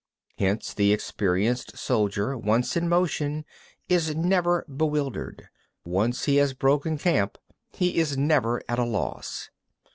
30. Hence the experienced soldier, once in motion, is never bewildered; once he has broken camp, he is never at a loss.